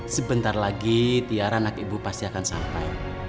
sebentar lagi tiara anak ibu pasti akan sampai